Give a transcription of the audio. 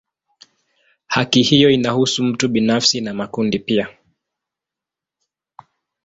Haki hiyo inahusu mtu binafsi na makundi pia.